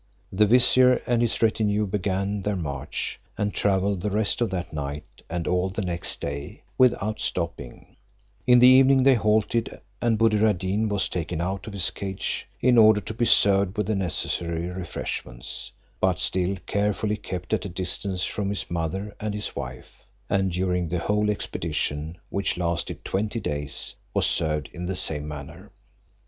The vizier and his retinue began their march, and travelled the rest of that night, and all the next day, without stopping In the evening they halted, and Buddir ad Deen was taken out of his cage, in order to be served with the necessary refreshments, but still carefully kept at a distance from his mother and his wife; and during the whole expedition, which lasted twenty days, was served in the same manner.